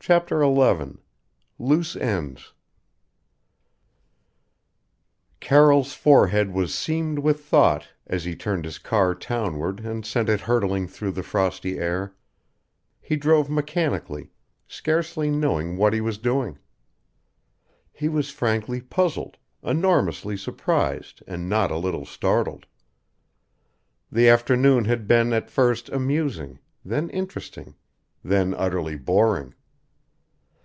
CHAPTER XI LOOSE ENDS Carroll's forehead was seamed with thought as he turned his car townward and sent it hurtling through the frosty air. He drove mechanically, scarcely knowing what he was doing. He was frankly puzzled, enormously surprised and not a little startled. The afternoon had been at first amusing, then interesting then utterly boring.